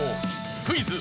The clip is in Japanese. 「クイズ！